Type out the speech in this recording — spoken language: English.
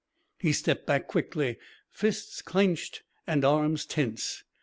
He stepped back quickly, fists clenched and arms tense.